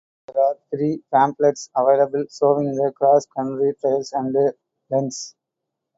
There are free pamphlets available showing the cross country trails and lengths.